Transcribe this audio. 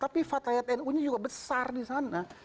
tapi fatlayat nu nya juga besar disana